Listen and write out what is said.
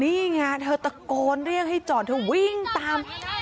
นี่ไงเธอตะโกนเรียกให้จอดเธอวิ่งตาม